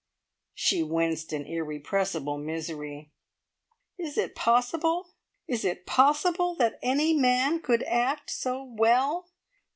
she winced in irrepressible misery "is it possible is it possible that any man could act so well?